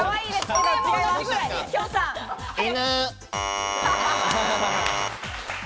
犬。